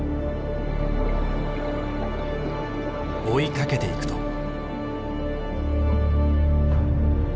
追いかけていくと。